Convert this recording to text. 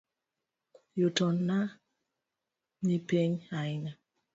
Yutona nipiny ahinya.